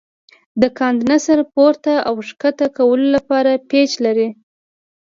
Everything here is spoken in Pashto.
د کاندنسر پورته او ښکته کولو لپاره پیچ لري.